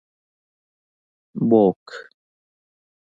book